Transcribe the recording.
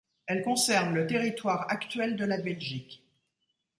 Elle concerne le territoire actuel de la Belgique.